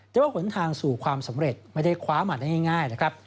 แต่ว่าหนทางสู่ความสำเร็จไม่ได้คว้ามาได้ง่ายนะครับ